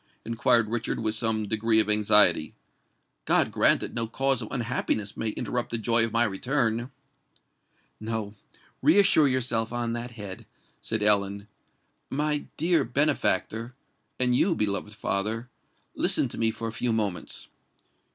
inquired Richard with some degree of anxiety. "God grant that no cause of unhappiness may interrupt the joy of my return!" "No—reassure yourself on that head," said Ellen. "My dear benefactor—and you, beloved father—listen to me for a few moments.